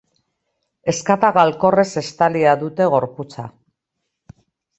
Ezkata galkorrez estalia dute gorputza.